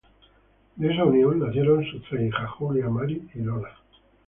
De esa unión, nacieron sus tres hijas: Julia, Mary y Lola.